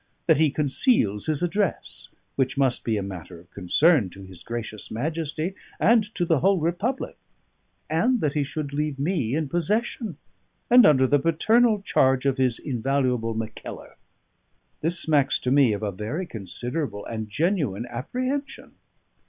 that he conceals his address, which must be a matter of concern to his Gracious Majesty and to the whole republic? and that he should leave me in possession, and under the paternal charge of his invaluable Mackellar? This smacks to me of a very considerable and genuine apprehension."